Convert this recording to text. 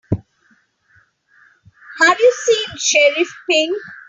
Have you seen Sheriff Pink?